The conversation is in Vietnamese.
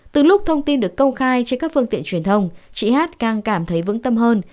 từ lúc thông tin được công khai trên các phương tiện truyền thông chị hát càng cảm thấy vững tâm hơn